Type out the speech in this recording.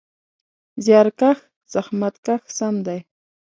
زیارکښ: زحمت کښ سم دی.